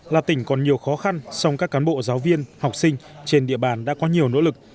là tỉnh còn nhiều khó khăn song các cán bộ giáo viên học sinh trên địa bàn đã có nhiều nỗ lực